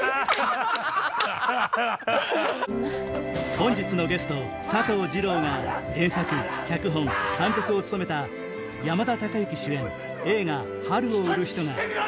本日のゲスト佐藤二朗が原作脚本監督を務めた山田孝之主演